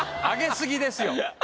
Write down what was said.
上げ過ぎですよ。